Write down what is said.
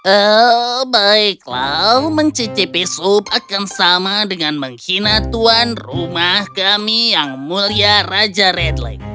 oh baiklah mencicipi sup akan sama dengan menghina tuan rumah kami yang mulia raja redleg